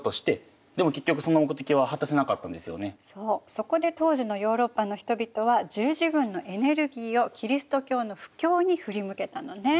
そこで当時のヨーロッパの人々は十字軍のエネルギーをキリスト教の布教に振り向けたのね。